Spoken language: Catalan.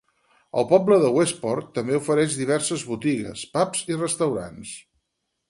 El poble de Westport també ofereix diverses botigues, pubs i restaurants.